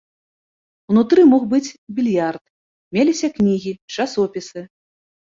Унутры мог быць більярд, меліся кнігі, часопісы.